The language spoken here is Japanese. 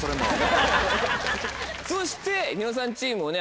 そして『ニノさん』チームもね。